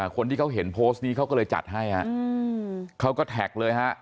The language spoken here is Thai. คนที่เขาเห็นโพสต์นี้เขาก็เลยจัดให้ฮะเขาก็แท็กเลยฮะ